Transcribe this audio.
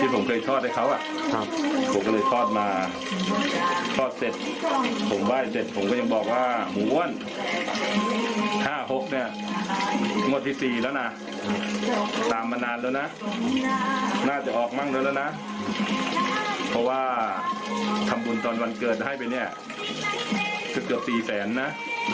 เพราะว่าทำบุญตอนวันเกิดจะให้ไปจะเกือบ๔๐๐๐๐๐บาทนะ